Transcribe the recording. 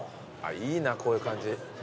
いいなこういう感じ。